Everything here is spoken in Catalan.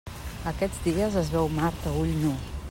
Aquests dies es veu Mart a ull nu.